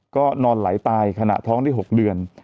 ก็นอนหลายตายขณะท้องที่๖เดือน